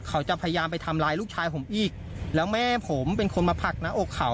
เขาจะพยายามไปทำร้ายลูกชายผมอีกแล้วแม่ผมเป็นคนมาผลักหน้าอกเขา